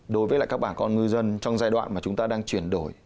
đối với các bà con ngư dân trong giai đoạn mà chúng ta đang chuyển đổi